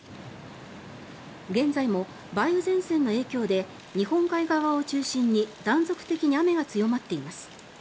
現在も梅雨前線の影響で日本海側を中心に断続的に雨が強まっています。